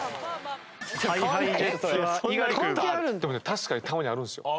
確かにたまにあるんですよ。